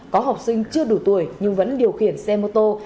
có học sinh chưa đủ tuổi nhưng vẫn điều khiển xe mô tô